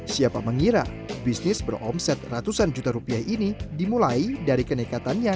siapa mengira bisnis beromset ratusan juta rupiah ini dimulai dari kenekatannya